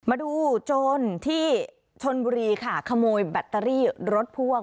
มาดูโจรที่ชนบุรีค่ะขโมยแบตเตอรี่รถพ่วง